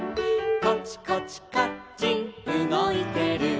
「コチコチカッチンうごいてる」